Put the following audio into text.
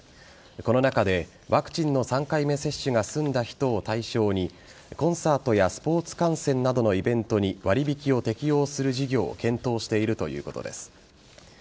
この中でワクチンの３回目接種が済んだ人を対象にコンサートやスポーツ観戦などのイベントに割引を適用する事業を検討しているということです。